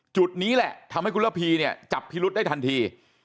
จุดนี้แหละทำให้คุณระพีเนี่ยจับพิรุษได้ทันที